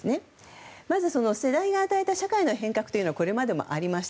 まず、世代が与えた社会の変革というのはこれまでもありました。